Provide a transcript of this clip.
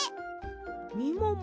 みもも